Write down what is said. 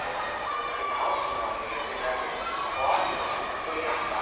僕直すのは苦手だけど壊すのは得意なんだ。